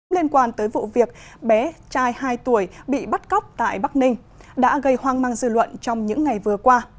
liên quan tới vụ việc bé trai hai tuổi bị bắt cóc tại bắc ninh đã gây hoang mang dư luận trong những ngày vừa qua